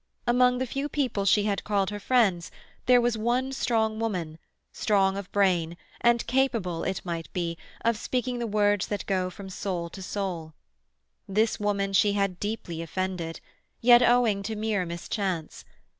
Among the few people she had called her friends there was one strong woman—strong of brain, and capable, it might be, of speaking the words that go from soul to soul; this woman she had deeply offended, yet owing to mere mischance.